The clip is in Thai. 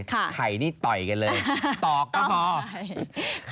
ไข่นี่ต่อยกันเลยตอกก็พอ